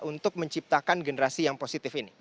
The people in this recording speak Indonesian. untuk menciptakan generasi yang positif ini